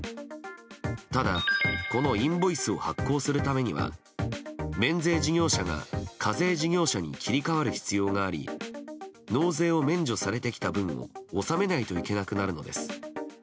ただ、このインボイスを発行するためには免税事業者が、課税事業者に切り替わる必要があり納税を免除されてきた分を納めないといけなくなるのです。